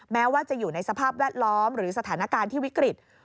แม้ว่าจะอยู่ในสภาพแวดล้อมหรือสถานการณ์ที่วิกฤต